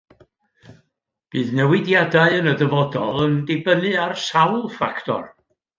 Bydd newidiadau yn y dyfodol yn dibynnu ar sawl ffactor